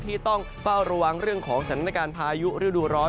ที่ต้องเฝ้าระวังเรื่องของสถานการณ์พายุฤดูร้อน